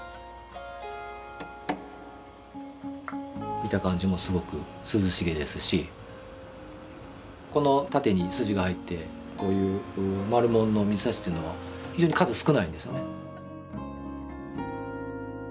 見た感じもすごく涼しげですしこの縦に筋が入ってこういう丸文の水指というのは非常に数少ないんですよね。